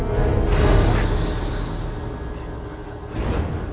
พลอย